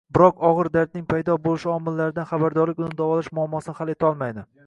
Biroq og‘ir dardning paydo bo‘lishi omillaridan xabardorlik uni davolash muammosini hal etolmadi